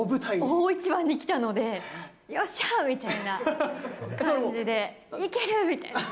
大一番にきたので、よっしゃー！みたいな感じで、いけるみたいな。